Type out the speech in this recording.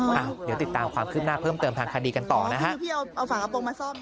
เดี๋ยวติดตามความคลิปหน้าเพิ่มเติมทางคดีกันต่อนะครับ